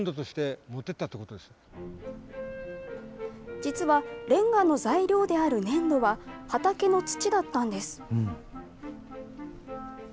実は、れんがの材料である粘土は、畑の土だったんです。